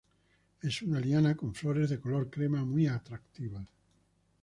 Es una liana con flores de color crema muy atractivas.